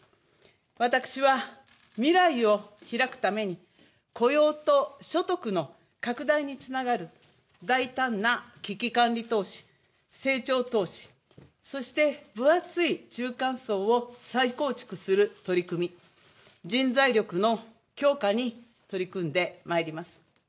私は未来をひらくために雇用と所得の拡大につながる大胆な危機管理投資、成長投資、そして、分厚い中間層を再構築する取り組み、人材力の強化に取り組んでまいります。